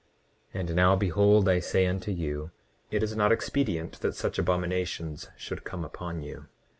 29:24 And now behold I say unto you, it is not expedient that such abominations should come upon you.